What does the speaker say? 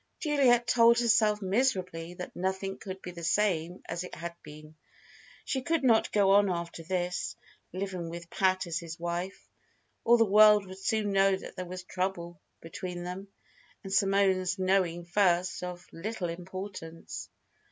Juliet told herself miserably that nothing could be the same as it had been. She could not go on after this, living with Pat as his wife. All the world would soon know that there was trouble between them, and Simone's knowing first was of little importance.